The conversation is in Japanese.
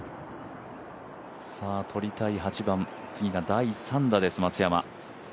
取りたい８番、次が第３打です松山。